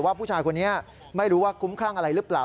ผู้ชายคนนี้ไม่รู้ว่าคุ้มคลั่งอะไรหรือเปล่า